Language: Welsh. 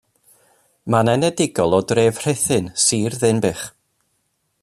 Mae'n enedigol o dref Rhuthun, Sir Ddinbych.